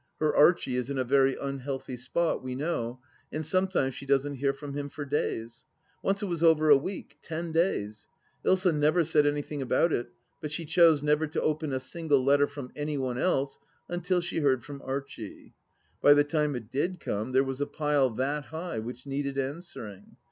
Her Archie is in a very unhealthy spot, we know, and some times she doesn't hear from him for days ! Once it was over a week — ten days. Ilsa never said anything about it, but she chose never to open a single letter from any one else until she heard from Archie. By the time it did come, there was a pile that high which needed answering.